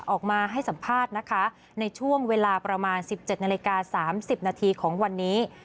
ออกมาให้สัมภาษณ์นะคะในช่วงเวลาประมาณ๑๗นาฬิกา๓๐นาทีของวันนี้